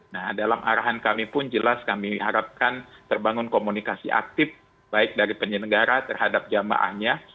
nah dalam arahan kami pun jelas kami harapkan terbangun komunikasi aktif baik dari penyelenggara terhadap jamaahnya